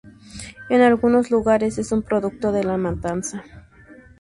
En algunos lugares es un producto de la matanza.